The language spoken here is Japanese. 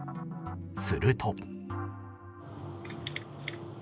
すると。